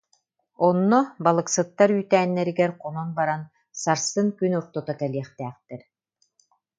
Онно балык- сыттар үүтээннэригэр хонон баран сарсын күн ортото кэлиэхтээхтэр